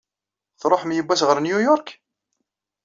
Tṛuḥem yewwas ɣer New York?